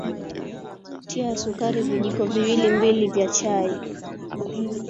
Tia sukari vijiko viwili mbili vya chakula